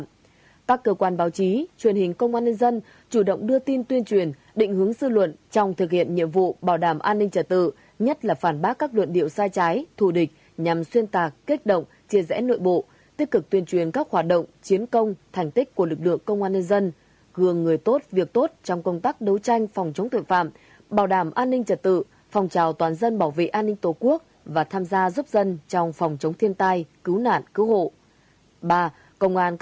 tổ chức các cơ quan báo chí truyền hình công an nhân dân chủ động đưa tin tuyên truyền định hướng sư luận trong thực hiện nhiệm vụ bảo đảm an ninh trả tự nhất là phản bác các luận điệu sai trái thù địch nhằm xuyên tạc kết động chia rẽ nội bộ tích cực tuyên truyền các hoạt động chiến công thành tích của lực lượng công an nhân dân hưởng người tốt việc tốt trong công tác đấu tranh phòng chống thực phạm bảo đảm an ninh trả tự phòng trào toàn dân bảo vệ an ninh tổ quốc và tham gia giúp dân trong phòng chống thiên tai cứu n